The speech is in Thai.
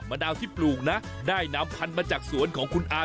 ดาวที่ปลูกนะได้นำพันธุ์มาจากสวนของคุณอา